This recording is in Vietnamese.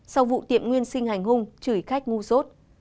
sau vụ tiệm nguyên sinh hành hung chửi khách ngu sốt